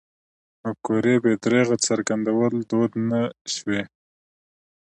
مفکورې بې درېغه څرګندول دود نه شوی.